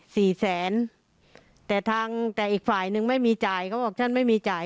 สี่แสนแต่ทางแต่อีกฝ่ายนึงไม่มีจ่ายเขาบอกท่านไม่มีจ่าย